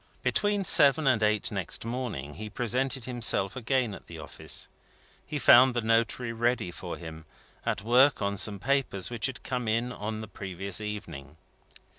Between seven and eight next morning, he presented himself again at the office. He found the notary ready for him, at work on some papers which had come in on the previous evening.